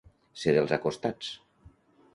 Ser dels acostats.